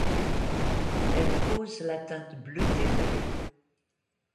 Elle cause la teinte bleutée de l’eau.